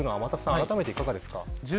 あらためていかがですか。